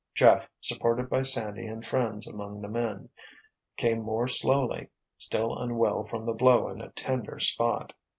Jeff, supported by Sandy and friends among the men, came more slowly, still unwell from the blow in a tender spot.